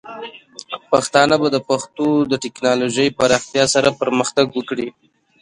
پښتانه به د پښتو د ټیکنالوجۍ پراختیا سره پرمختګ وکړي.